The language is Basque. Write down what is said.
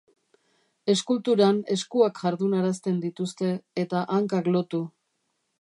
Eskulturan eskuak jardunarazten dituzte, eta hankak lotu.